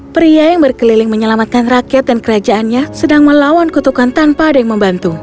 pria yang berkeliling menyelamatkan rakyat dan kerajaannya sedang melawan kutukan tanpa ada yang membantu